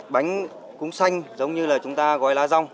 bánh cúng xanh giống như là chúng ta gói lá rong